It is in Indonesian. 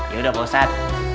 yaudah pak ustadz